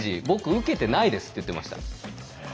「僕受けてないです」って言ってました。